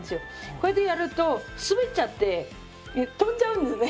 こうやってやると滑っちゃって飛んじゃうんですね。